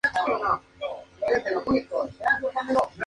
Ya hemos puesto en marcha el proceso.